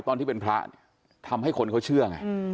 ตอนที่เป็นพระทำให้คนเขาเชื่อไง